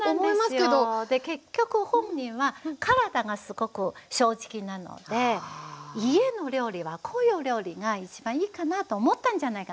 結局本人は体がすごく正直なので家の料理はこういう料理が一番いいかなと思ったんじゃないかなと思いますよね。